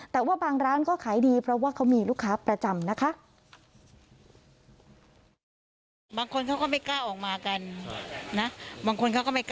แต่ว่าบางร้านก็ขายดีเพราะว่าเขามีลูกค้าประจำนะคะ